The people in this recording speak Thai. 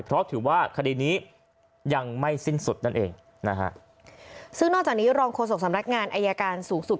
เพราะถือว่าคดีนี้ยังไม่สิ้นสุดนั่นเองนะฮะซึ่งนอกจากนี้รองโฆษกสำนักงานอายการสูงสุด